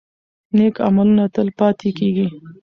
نیک عملونه تل پاتې کیږي.